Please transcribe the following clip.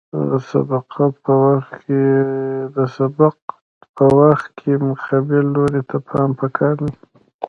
د سبقت په وخت کې مقابل لوري ته پام پکار دی